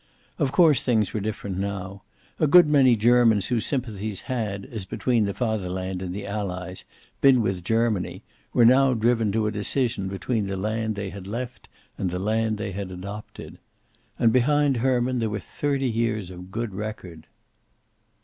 Of course things were different now. A good many Germans whose sympathies had, as between the Fatherland and the Allies, been with Germany, were now driven to a decision between the land they had left and the land they had adopted. And behind Herman there were thirty years of good record.